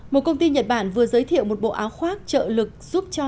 một công ty nhật bản vừa giới thiệu một bộ áo khoác trợ lực giúp cho